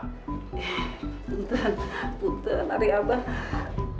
eh puteran puteran ari abah